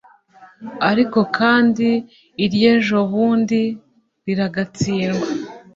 Ariko kandi iry ejobundi Riragatsindwa